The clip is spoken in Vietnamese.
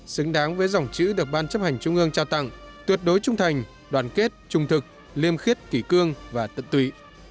xứng đáng với dòng chữ được ban chấp hành trung ương trao tặng tuyệt đối trung thành đoàn kết trung thực liêm khiết kỷ cương và tận tụy